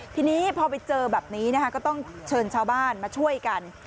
ทีนี้พอไปเจอแบบนี้นะคะก็ต้องเชิญชาวบ้านมาช่วยกัน